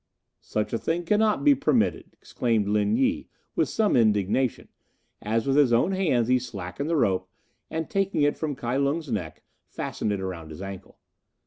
"Such a thing cannot be permitted," exclaimed Lin Yi, with some indignation, as with his own hands he slackened the rope and, taking it from Kai Lung's neck, fastened it around his ankle.